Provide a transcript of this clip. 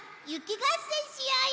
がっせんしようよ！